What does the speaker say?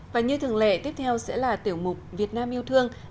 và như thường lệ tiếp theo sẽ là tiểu mục việt nam yêu thương